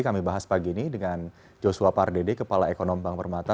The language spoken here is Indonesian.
kami bahas pagi ini dengan joshua pardede kepala ekonom bank permata